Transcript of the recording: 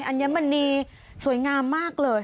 ัญมณีสวยงามมากเลย